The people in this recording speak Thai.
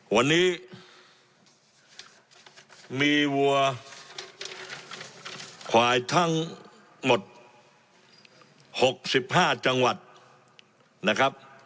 วันนี้มีวัวควายทั้งหมด๖๕จังหวัดนะครับ